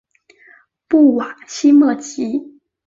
布瓦西莫吉。